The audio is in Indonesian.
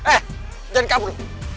eh jangan kabur